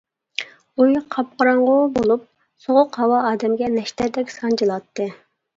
ئوي قاپقاراڭغۇ بولۇپ، سوغۇق ھاۋا ئادەمگە نەشتەردەك سانجىلاتتى.